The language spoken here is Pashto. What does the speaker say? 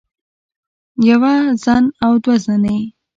يوه زن او دوه زنې